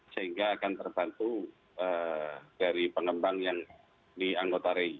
sehingga akan terbantu dari pengembang yang di anggota rei